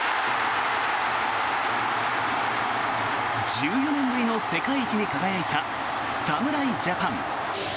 １４年ぶりの世界一に輝いた侍ジャパン。